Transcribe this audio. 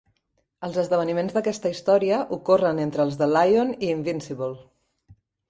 Els esdeveniments d'aquesta història ocorren entre els de "Lion" i "Invincible".